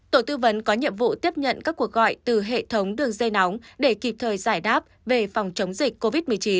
tổ tư vấn có nhiệm vụ tiếp nhận các cuộc gọi từ hệ thống đường dây nóng để kịp thời giải đáp về phòng chống dịch covid một mươi chín